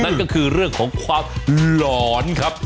นั่นก็คือเรื่องของความหลอนครับ